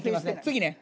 次ね。